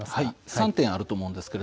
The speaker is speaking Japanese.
３点あると思うんです。